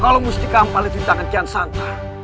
kalau musti keampah letih tangan kian santang